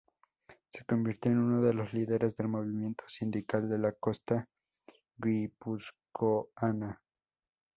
Se convirtió en uno de los líderes del movimiento sindical de la costa guipuzcoana.